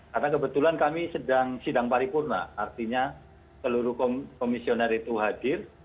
karena kebetulan kami sedang sidang paripurna artinya seluruh komisioner itu hadir